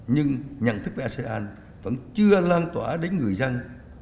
nhưng nhận thức của asean vẫn chưa lan tỏa đến người dân